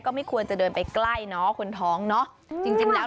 ไม่ควรจะเดินไปใกล้เนอะคนท้องเนอะจริงจริงแล้ว